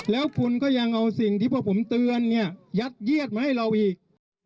แล้วคุณก็ยังเอาสิ่งที่พวกผมเตือนเนี่ยยัดเยียดมาให้เราอีก